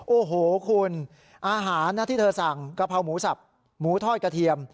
โอ้โหคุณอาหารนะที่เธอสั่งกะเพราหมูสับหมูทอดกระเทียม